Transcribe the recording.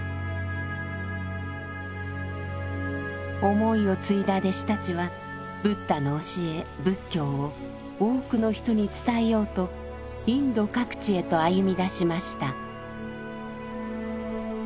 思いを継いだ弟子たちはブッダの教え仏教を多くの人に伝えようとインド各地へと歩み出しました。